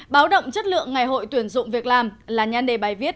báo động chất lượng ngày hội tuyển dụng việc làm là nhan đề bài viết